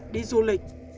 đi du lịch